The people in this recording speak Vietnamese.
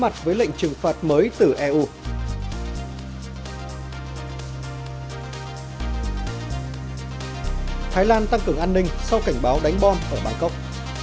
thái lan tăng cường an ninh sau cảnh báo đánh bom ở bangkok